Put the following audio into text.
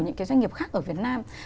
những cái doanh nghiệp khác ở việt nam